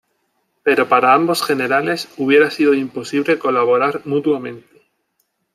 Pero para ambos generales hubiera sido imposible colaborar mutuamente.